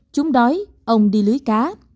chúng đói ông đi lưới cá